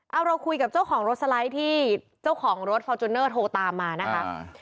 เอาเราคุยกับเจ้าของรถสไลด์ที่เจ้าของรถฟอร์จูเนอร์โทรตามมานะคะ